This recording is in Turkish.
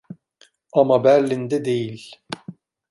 Ama Berlin'de değil.